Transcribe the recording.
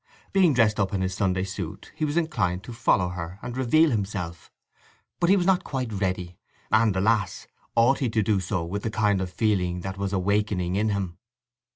Being dressed up in his Sunday suit he was inclined to follow her and reveal himself. But he was not quite ready; and, alas, ought he to do so with the kind of feeling that was awakening in him?